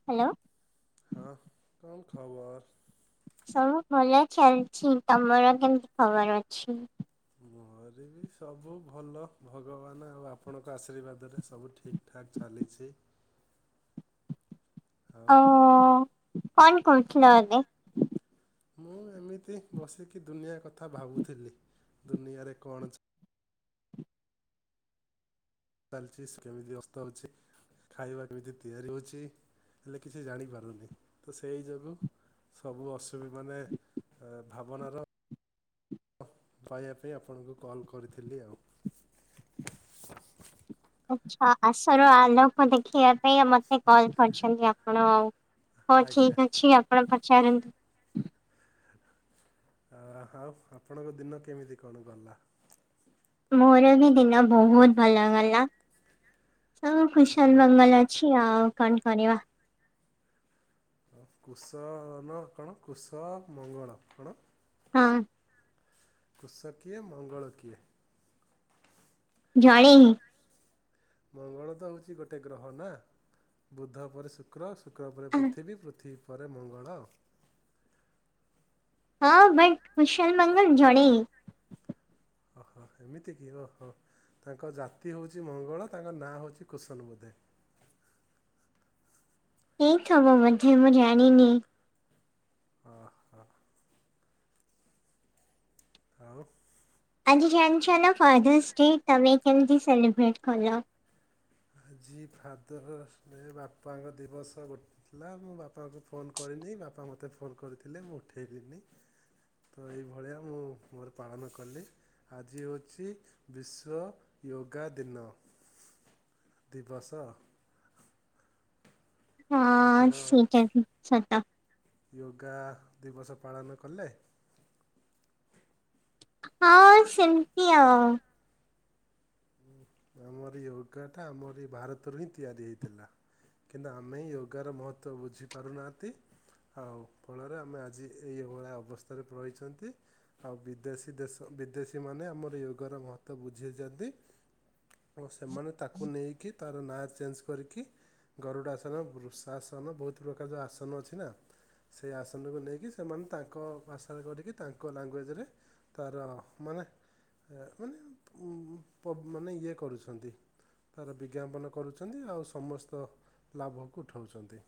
Hello. ହଁ କ'ଣ ଖବର? ସବୁ ଭଲ ଚାଲଛି। ତମର କେମତି ଖବର ଅଛି? ମୋର ବି ସବୁ ଭଲ ଭଗବାନ ଆଉ ଆପଣଙ୍କ ଆଶୀର୍ବାଦରେ ସବୁ ଠିକ୍ ଠାକ୍ ଚାଲିଛି। ଆଉ ଓ କ'ଣ କରୁଥିଲ ଏବେ? ମୁଁ ଏମିତି ବସିକି ଦୁନିଆ କଥା ଭାବୁଥିଲି ଦୁନିଆରେ କ'ଣ ଚ୍ ଚାଲଚିସ୍ କେମିତି ଅସ୍ତ ହଉଛି। ଖାଇବା କେମିତି ତିଆରି ହଉଛି ହେଲେ କିଛି ଜାଣିପାରୁନି ତ ସେଇ ଯୋଗୁଁ ସବୁ ଅସୁ ବି ମାନେ ଏ ଭାବନାର କହିବା ପାଇଁ ଆପଣଙ୍କୁ କଲ୍ କରିଥିଲି ଆଉ। ଆଚ୍ଛା ଆଶା ର ଆଲୋକ ଦେଖିବା ପାଇଁ ମତେ କଲ୍ କରିଛନ୍ତି ଆପଣ ଆଉ। ହଉ ଆଜ୍ଞା ଠିକ ଅଛି ଆପଣ ପଚାରନ୍ ଆ ଆଉ ଆପଣଙ୍କ ଦିନ କେମିତି କଣ ଗଲା? ମୋର ବି ଦିନ ବହୁତ ଭଲ ଗଲା। ସବୁ ଆପଣ କୁଶଲ ମଙ୍ଗଲ ଅଛି ଆଉ କଣ କରିବା। କୁଶନ କଣ କୁଶ ମଙ୍ଗଳ କଣ? ହଁ। କୁଶ କିଏ ମଙ୍ଗଳ କିଏ? ଜଣେ ହିଁ। ମଙ୍ଗଳ ତ ହଉଛି ଗୋଟେ ଗ୍ରହ ନା ବୁଧ ପରେ ଶୁକ୍ର ଶୁକ୍ର ପରେ ପୃଥିବୀ ପୃଥିବୀ ପରେ ମଙ୍ଗଳ ଆଉ। ହଁ ବଟ୍ କୁଶଲ ମଙ୍ଗଲ ଜଣେ ହିଁ। ଅହ ଏମିତି କିି ଓହୋ। ତାଙ୍କ ଜାତି ହଉଛି ମଙ୍ଗଳ ତାଙ୍କ ନାଁ ହଉଛି କୁଶନ ବୋଧେ। ହେଇଥବ ବୋଧେ ମୁଁ ଜାଣିନି। ଅଃ ହଃ। ଆଉ? ଆଜି ଜାଣ୍ ଛ ନା ଫାଦର୍ସ ଡେ ତମେ କେମତି ସଲିବ୍ରେଟ କଲ? ଆଜି ଫାଦରର୍ସ ଡେ ବାପାଙ୍କ ଦିବସ ଗୋଟ୍ ହେଲା ମୁଁ ବାପାକୁ ଫୋନ୍ କରିନି ବାପା ମୋତେ ଫୋନ୍ କରିଥିଲେ ମୁଁ ଉଠେଇଲିିନି। ତ ଏଇଭଳିଆ ମୁଁ ମୋର ପାଳନ କଲି। ଆଜି ହେଉଛି ବିଶ୍ଵ ୟୋଗା ଦିନ। ଦିବସ। ହଁ ଆପଣ ସେଇଟା ବି ସତ। ଯୋଗା ଦିବସ ପାଳନ କଲେ? ହଁ ସେମ୍ତି ଆଉ। ଆମରି ୟୋଗାଟା ଆମର ଏଇ ଭାରତରୁ ହିଁ ତିଆରି ହେଇଥିଲା। କିନ୍ତୁ ଆମେଁ ୟୋଗାର ମହତ୍ଵ ବୁଝିପାରୁନାହାନ୍ତି। ଆଉ ଫଳରେ ଆମେ ଆଜି ଏଇଭଳିଆ ଅବସ୍ଥାରେ ରହିଛନ୍ତି। ଆଉ ବିଦେଶୀ ଦେଶ ବିଦେଶୀମାନେ ଆମର ୟୋଗର ମହତ୍ଵ ବୁଝିଚନ୍ତି। ଏବଂ ସେମାନେ ତାକୁ ନେଇକି ତାର ନାଁ ଚେଞ୍ଜ କରିକି ଗରୁଡାସନ ବୃଷାସନ ବହୁତ ପ୍ରକାର ଯଉ ଆସନ ଅଛି ନା ସେହି ଆସନକୁ ନେଇକି ସେମାନେ ତାଙ୍କ ଭାଷାରେ କରିକି ତାଙ୍କ ଲାଙ୍ଗୁଏଜରେ ତାର ମାନେ ମାନେ ପ ମାନେ ଇଏ କରୁଚନ୍ତି। ତାର ବିଜ୍ଞାପନ କରୁଚନ୍ତି ଆଉ ସମସ୍ତ ଲାଭକୁ ଉଠଉଚନ୍ତି।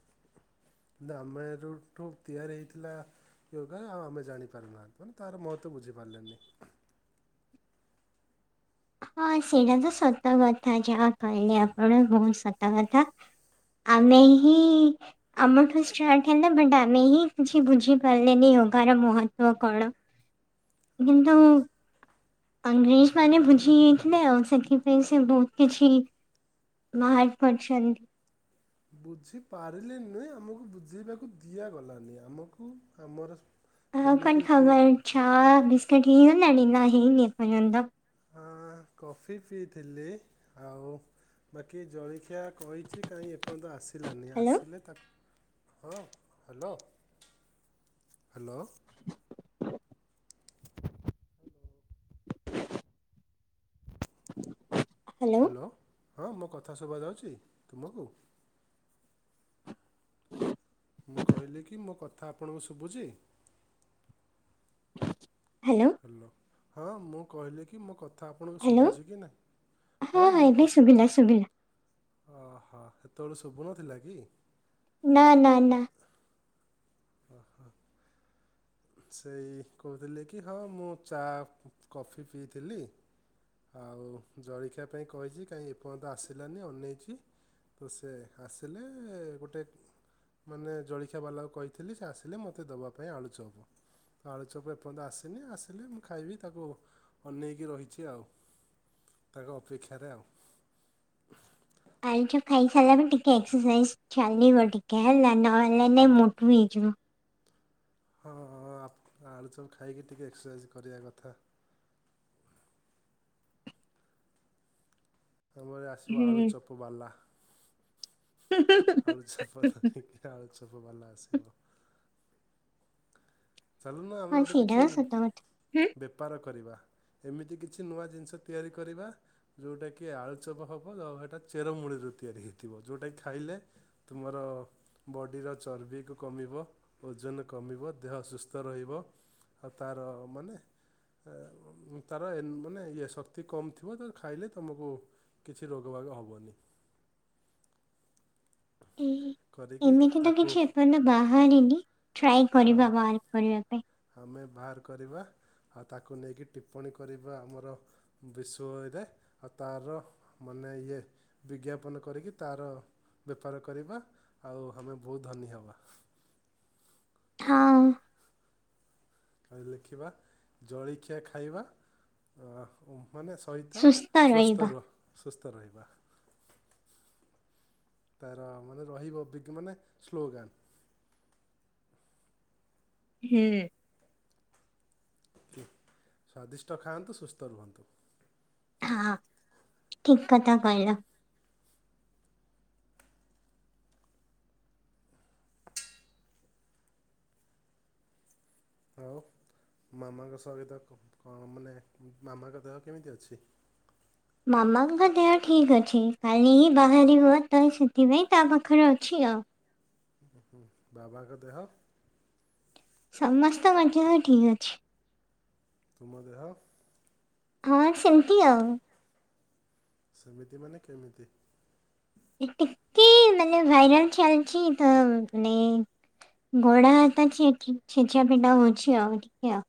କିନ୍ତୁ ଆମେରୁଠୁ ତିଆରି ହେଇଥିଲା। ୟୋଗା ଆଉ ଆମେ ଜାଣିପାରୁନାହାନ୍ତି ମାନେ ତାର ମହତ୍ଵ ବୁଝି ପାରିଲେନି। ହଁ ସେଇରା ତ ସତ କଥା ଯାହା କହିଲେ ଆପଣ ବହୁତ ସତ କଥା। ଆମେ ହିଁ ଆମଠୁ ଷ୍ଟାର୍ଟ ହେଲା ବଟ ଆମେ ହିଁ କିଛି ବୁଝିପାରିଲେନି ୟୋଗାର ମହତ୍ଵ କଣ? ଆମେ କିନ୍ତନ ବୁଝି ଅଂଙ୍ଗ୍ରେଜ ମାନେ ବୁଝି ଜିଯାଇଥିଲେ ଆଉ ସେଥିପାଇଁ ସେ ବୋହୁତ କିଛି ବାହାର କରିଛନ୍ତି। ବୁଝି ପାରିଲେ ନୁହେଁ ଆମକୁ ବୁଝେଇବାକୁ ଦିଆଗଲାନି ଆମକୁ ଆମର ଆଉ କଣ ଏମିତି ତି ଖବର ଛା ବିସ୍କିଟ୍ ହେଇଗଲାଣି ନା ହେଇନି ଏପର୍ୟ୍ଯନ୍ତ। ହଁ କଫି ଫିଇଥିଲି ଆଉ ବାକି ଜଳଖିଆ କହିଚି କାଇଁ ଏପର୍ଯ୍ୟନ୍ତ ଆସି ସିଲାନି ହ୍ୟାଲୋ ଆସିଲେ ତାକ୍ ହଁ ହ୍ୟାଲୋ ହ୍ୟାଲୋ। ହ୍ୟାଲୋ ହଁ ମୋ କଥା ଶୁଭା ଯାଉଛି ତୁମକୁ? ହଁ [unintelligible] ମୁଁ କହିଲି କି ମୋ କଥା ଆପଣଙ୍କୁ ଶୁବୁଚି? ହ୍ୟାଲୋ। ହ୍ୟାଲୋ ହଁ ମୁଁ କହିଲି କି ମୋ କଥ ଥା ଆପଣଙ୍କୁ ହ୍ୟାଲୋ ଶୁଭୁଛି କି ନାହିଁ ହଁ ମୋ ଏବେ କ ଶୁଭିଲା ଶୁଭିଲା। ଅ ହୋ ହେତବେଳେ ଶୁଭୁନଥିଲା କି? ନା ନା ନା। ଓ ହ। ସେଇ କହୁଥିଲିକି ହଁ ମୁଁ ଚା କଫି ପିଇଥିଲି। ଆଉ ଜଳଖିଆ ପାଇଁ କହିଚି କାଇଁ ଏପର୍ଯ୍ୟନ୍ତ ଆସିଲାନି ଅନେଇଚି ତ ସେ ଆସିଲେ ଗୋଟେ ମାନେ ଜଳଖିଆ ବାଲାକୁ କହିଥିଲି ସେ ଆସିଲେ ମୋତେ ଦେବା ପାଇଁ ଆଳୁ ଚପ୍। ଆଳୁଚପ୍ ଏପର୍ଯ୍ୟନ୍ତ ଆସିନି ଆସିଲେ ମୁଁ ଖାଇବି ତାକୁ ଅନେଇକି ରହିଛି ଆଉ ତାଙ୍କ ଅପେକ୍ଷାରେ ଆଉ ଆଲୁଚପ ଖାଇସାରିଲାପରେ ଟିକେ ଏକ୍ସରସାଇଜ ଚାଲିବ ଟିକେ ହେଲା ନ ହେଲେ ନାଇଁ ଆଉ ମୋଟୁ ହେଇଯିବ। ହଁ ହଁ ହଁ ହଁ ଆପ୍ ଆଳୁଚପ୍ ଖାଇକି ଟିକେ ଏକ୍ସରସାଇଜ୍ କରିବା କଥା। ଆମରେ ଆସିବ ହୁଁ। ଆଳୁଚପ ବାଲା। [inaudible] ଆଳୁଚପ୍ ତ ଦେଖିଆ ଆଳୁଚପ୍ ବାଲା ଆସିବ। ଚାଲୁନ ଆମେ ହଁ ଗୋଟେ ସେଇଟା କିଛି ତ ସତ କଥା। ବେପାର କରିବା। ଏମିତି କିଛି ନୂଆ ଜିନିଷ ତିଆରି କରିବା ଯୋଉଟାକି ଆଳୁଚପ୍ ହବ [unintelligible] ହେଟା ଚେରମୂଳିରୁ ତିଆରି ହୋଇଇଥିବ ଯୋଉଟା କି ଖାଇଲେ ତୁମର ବଡ଼ିର ଚର୍ବିକୁ କମିବ ଓଜନ କମିବ ଦେହ ସୁସ୍ ତ ରହିବ ଆଉ ତାର ମାନେ ତାର ମାନେ ଇଏ ଶକ୍ତି କମ୍ ଥିବ ତ ଖାଇଲେ ତମକୁ କିଛି ରୋଗ ବାଗ ହବନି। ଏ ଏମିତି ତ ତାକୁ କିଛି ଏପର୍ଯ୍ୟନ୍ତ ବାହାରିନି ଟ୍ରାଏ ତ ଆମ କରିବା ବା କରିବା ପାଇଁ। ଆମେ ବାହାର କରିବା ଆଉ ତାକୁ ନେଇକି ଟିପ୍ପଣୀ କରିବା ଆମର ବିଷୟରେ ଆଉ ତାର ମାନେ ଇଏ ବିଜ୍ଞାପନ କରିକି ତାର ବେପାର କରିବା ଆଉ ଆମେ ବହୁତ ଧନୀ ହେବା। ହଁ। ଲେଖିବା ଜଳଖିଆ ଖାଇବା ଅ ମାନେ ସହିତ ସୁସ୍ଥ ସ୍ୱସ୍ତ ରହିବା। ରୁହ ସୁସ୍ଥ ରହିବା। ତାର ମାନେ ରହିବ ବିଜ୍ଞ ମାନେ ସ୍ଲୋଗାନ। ହୁଁ। କି ସ୍ଵାଦିଷ୍ଟ ଖାଆନ୍ତୁ ସୁସ୍ଥ ରୁହନ୍ତୁ। ହଁ ଠିକ କଥା କହିଲ। [inaudible] ଆଉ ମାମାଙ୍କ ସହିତ କଣ ମାନେ ମାମାଙ୍କ ଦେହ କେମିତି ଅଛି? ମାମାଙ୍କ ଦେହ ଠିକ୍ ଅଛି କାଲି ହିଁ ବାହାରିିବ ତ ସେଥିପାଇଁ ତା ପାଖରେ ଅଛି ଆଉ। ବାବାଙ୍କ ଦେହ? ସମସ୍ତଙ୍କ ଦେହ ଠିକ୍ ଅଛି। ତୁମ ଦେହ? ହଁ ସେମ ତି ଆଉ। ସେମିତି ମାନେ କେମିତି? ଟିକେ ମାନେ ଭାଇରାଲ ଚାଲିଚି ତ ମାନେ ଗୋଡ଼ ହାତ ଛି ଛିଟା ପିଟା ହଉଚି ଆଉ ଟିକେ ଆଉ।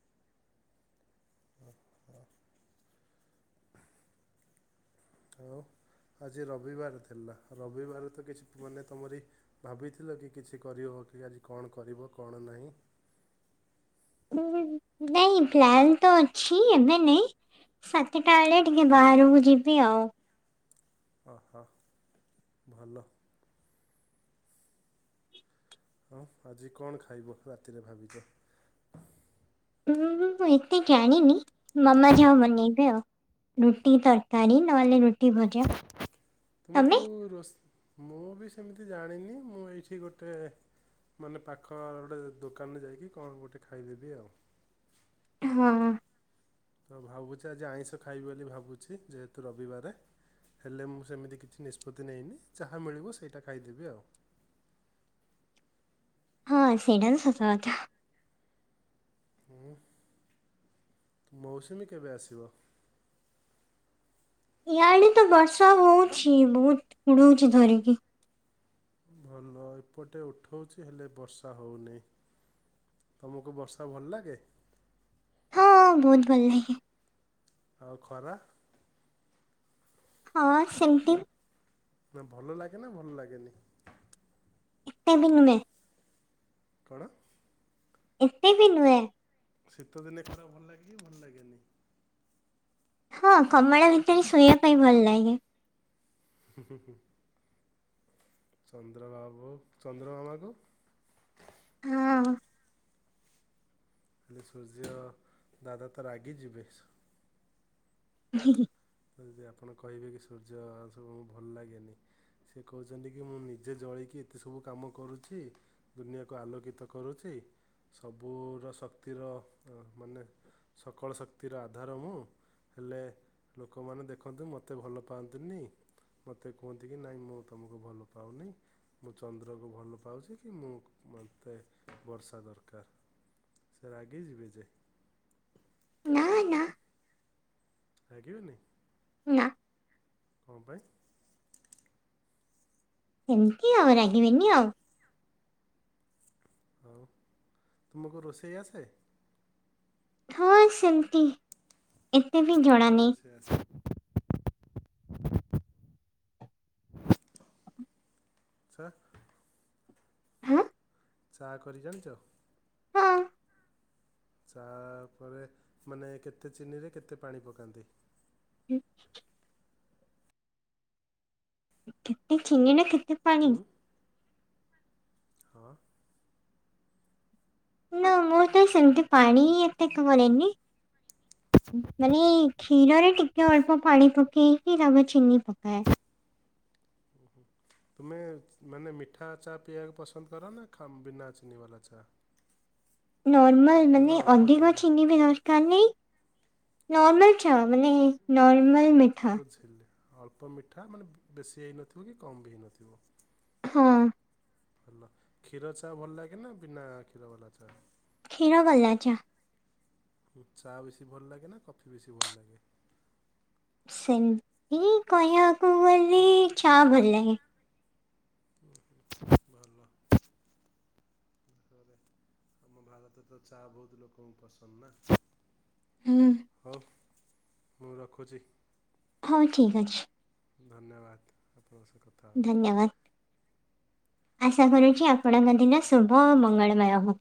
ଆଉ ଆଜି ରବିବାର ଥିଲା ରବିବାର ତ କିଛି ମାନେ ତମରି ଭାବିଥିଲ କି କିଛି କରିବ କି ଆଜି କଣ କରିବ କଣ ନାହିଁ? ନାଇଁ ପ୍ଲାନ ତ ଅଛିି ଏବେ ନାଇ। ସାତଟା ବେଳେ ଟିକେ ବାହାରକୁ ଯିବି ଆଉ। ଓହ ଭଲ। ଆଉ ଆଜି କଣ ଖାଇବ ରାତିରେ ଭାବିଛ? ମୁଁ ଏତେ କାଣି ନି ମାମା ଯାହା ବାନେଇବେ ଆଉ ରୁଟି ତ ତାରି ନହେଲେ ରୁଟି ଭଜା, ତମେ? ରୋ ଶ ମୁଁ ବି ସେମିତି ଜାଣିନି ମୁଁ ଏଇଠି ଗୋଟେ ମାନେ ପାଖ ଗୋଟେ ଦୋକାନରେ ଯାଇକି କଣ ଗୋଟେ ଖାଇଦେବି ଆଉ। ହଁ। ତ ଭାବୁଛି ଆଜି ଆଇଁଷ ଖାଇବି ବୋଲି ଭାବୁଛି ଯେହେତୁ ରବିବାରେ। ହେଲେ ମୁଁ ସେମିତି କିଛି ନିଷ୍ପତ୍ତି ନେଇନି ଯାହା ମିଳିବ ସେଇଟା ଖାଇଦେବି ଆଉ। ହଁ ସେଇଟାବି ସତ କଥା। ହୁଁ ମୌସୁମୀ କେବେ ଆସିବ? ଇଆଡେ ତ ବର୍ଷା ହଉଛି ବହୁତ କୁଡଉଛି ଧରିକି। ଭଲ ଏପଟେ ଉଠଉଛି ହେଲେ ବର୍ଷା ହଉନହିଁ। ତୁମକୁ ବର୍ଷା ଭଲ ଲାଗେ? ହଁ ବହୁତ ଭଲ ଲାଗେ। ଆଉ ଖରା? ହଁ ସେମତି। ଭଲ ଲାଗେ ନା ଭଲ ଲାଗେନି? ଏତେ ବି ନୁହେଁ। କଣ? ଏତେ ବି ନୁ ହେଁ ଶୀତଦିନେ ଖରା ଭଲ ଲାଗେ କି ଭଲ ଲାଗେନି? ହଁ କମଳ ଭିତରେ ଶୋଇବା ପାଇଁ ଭଲ ଲାଗେ। ହୁଁ ହୁଁ ହୁଁ ଚନ୍ଦ୍ର ବାବୁ ଚନ୍ଦ୍ରମାମା କୁ? ହଁ ହେଲେ ସୂର୍ଯ୍ୟ ଦାଦା ତ ରାଗି ଯିବେ। ହୁଁ ହୁଁ। ଯଦି ଆପଣ କହିବେ କି ସୂର୍ଯ୍ୟ ସବୁ ଭଲ ଲାଗେନି। ସେ କହୁଛନ୍ତି କି ମୁଁ ନିଜେ ଜଳିକି ଏତେ ସବୁ କାମ କରୁଛି ଦୁନିଆକୁ ଆଲୋକିତ କରୁଛି ସବୁର ଶକ୍ତିର ମାନେ ସକଳ ଶକ୍ତିର ଆଧାର ମୁଁ ହେଲେ ଲୋକମାନେ ଦେଖନ୍ତୁ ମୋତେ ଭଲ ପାଆନ୍ତୁନି ମତେ କୁହନ୍ତି କି ନାଇଁ ମୁଁ ତମକୁ ଭଲ ପାଉନି। ମୁଁ ଚନ୍ଦ୍ରକୁ ଭଲ ପାଉଛି କି ମୁଁ ମୋତେ ବର୍ଷା ଦରକାର? ରାଗି ଜିବେ ଜେ। ନା ନା। ରାଗି ବେନି? ନା। କଣ ପାଇଁ? ଏମିତି ଆଉ ରାହିବେନି ଆଉ। ହଉ ତୁମକୁ ରୋଷେଇ ଆସ? ହଁ ସେମିତି ଏତେ ବି ଜଣାନାଇଁ। ସେ [inaudible] ସାତ [inaudible] ହଁ [inaudible] ଚା କରି ଜାଣିଛ? ହଁ ଚାପରେ ମାନେ କେତେ ଚିନିରେ କେତେ ପାଣି ପକାନ୍ତି? ହୁଁ କେତେ ଚିନି ନା କେତେ ପାଣି ହୁଁ ହଁ। ନା ମୋର ତ ସେମିତି ପାଣି ଏତେ କରେନି। ମାନେ କ୍ଷୀରରେ ଟିକେ ଅଳ୍ପ ପାଣି ପକେଇକି ତାପରେ ଚିନି ପକାଏ। ହୁଁ ହୁଁ। ତୁମେ ମାନେ ମିଠା ଚା ପିଇବାକୁ ପସନ୍ଦ କରନା ବିନା ଚିନି ବାଲା ଚା? ନର୍ମାଲ ନା ନା ମାନେ ଅଳ୍ପ ଅଧିକ ଚିନି ବି ନ ମାନେ ନର୍ମାଲ ମାନେ ନର୍ମାଲ ମି ବୁଝିଲେ ଅଳ୍ପ ମିଠା ମାନେ ବେଶୀ ହେଇନଥିବ କି କମ୍ ବି ହେଇନଥିବ। ହଁ। ଭଲ କ୍ଷୀର ଚା ଭଲ ଲାଗେ ନା ବିନା କ୍ଷୀର ବାଲା ଚା? ଖୀର ଵାଲା ଚା। ଚା ବେଶୀ ଭଲ ଲାଗେ ନା କଫି ବେଶୀ ଭଲ ଲାଗେ? ସେମତି କହିବାକୁ ଗଲେ ଚା ଭଲଲାଗେ। ଭଲ। ରେ ଆମ ଭାରତରେ ତ ଚା ବହୁତ ଲୋକଙ୍କୁ ପସନ୍ଦ ନା। ହୁଁ। ହଉ ମୁଁ ରଖୁଛି। ହଉ ଠିକ୍ ଅଛି। ଧନ୍ୟବାଦ ଆପଣଙ୍କ ସହ କ ଧନ୍ୟବାଦ। ଆଶା କରୁଛି ଆପଣଙ୍କ ଦିନ ଶୁଭ ଆଉ ମଙ୍ଗଳମୟ ହଉ।